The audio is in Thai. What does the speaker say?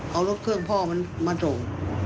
เอารถเครื่องพ่อมันมาส่ง